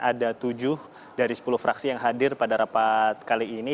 ada tujuh dari sepuluh fraksi yang hadir pada rapat kali ini